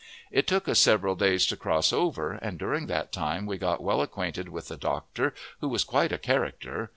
It took us several days to cross over, and during that time we got well acquainted with the doctor, who was quite a character.